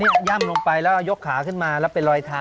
ย่ำลงไปแล้วยกขาขึ้นมาแล้วเป็นรอยเท้า